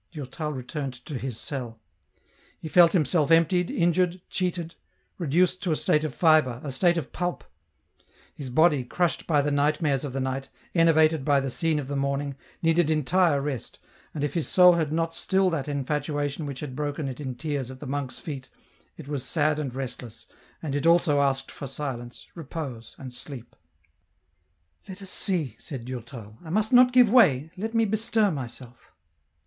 Durtai returned to his cell. He felt himself emptied, injured, cheated, reduced to a EN ROUTE. 183 State of fibre, a state of pulp. His body, crushed by the nightmares of the night, enervated by the scene of the morning, needed entire rest, and if his soul had not still that infatuation which had broken it in tears at the monk's feet, it was sad and restless, and it also asked for silence, repose, and sleep. " Let us see," said Durtal, " I must not give way, let me bestir myself."